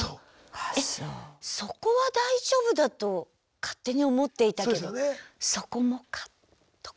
えっそこは大丈夫だと勝手に思っていたけどそこもかとか。